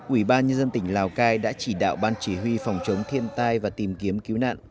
ủy ban nhân dân tỉnh lào cai đã chỉ đạo ban chỉ huy phòng chống thiên tai và tìm kiếm cứu nạn